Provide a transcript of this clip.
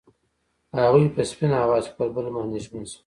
هغوی په سپین اواز کې پر بل باندې ژمن شول.